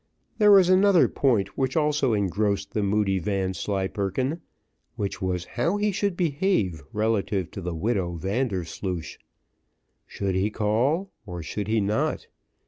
There was another point which also engrossed the moody Vanslyperken, which was how he should behave relative to the widow Vandersloosh. Should he call or should he not?